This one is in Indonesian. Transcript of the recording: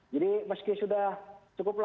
jadi meski sudah cukup banyak